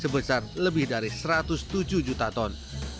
sebesar lebih dari satu ratus tujuh juta ton